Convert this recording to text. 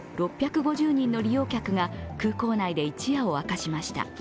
６５０人の利用客が空港内で一夜を明かしました。